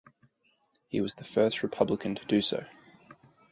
He was the first Republican to do so.